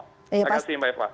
terima kasih mbak eva